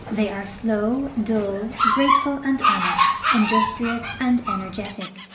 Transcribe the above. They are slow, dull, grateful and honest, industrious and energetic.